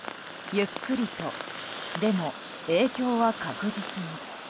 ゆっくりとでも、影響は確実に。